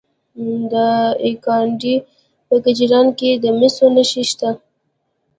د دایکنډي په کجران کې د مسو نښې شته.